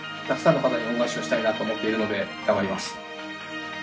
たくさんの方に恩返しをしたいと思っているので頑張ります。